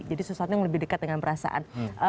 jadi sesuatu yang lebih dekat dengan perasaan